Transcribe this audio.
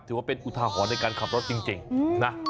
ถือว่าเป็นอุทาหรณ์ในการขับรถจริงนะ